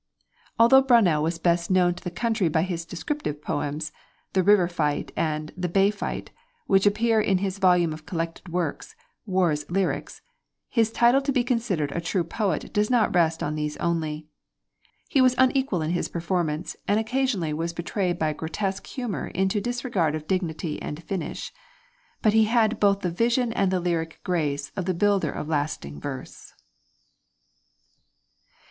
Although Brownell was best known to the country by his descriptive poems, 'The River Fight' and 'The Bay Fight,' which appear in his volume of collected works, 'War Lyrics,' his title to be considered a true poet does not rest upon these only. He was unequal in his performance and occasionally was betrayed by a grotesque humor into disregard of dignity and finish; but he had both the vision and the lyric grace of the builder of lasting verse.